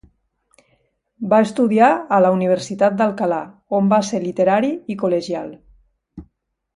Va estudiar a la Universitat d'Alcalà, on va ser literari i col·legial.